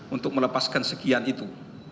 untuk melepaskan sekian itu